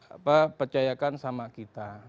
apa percayakan sama kita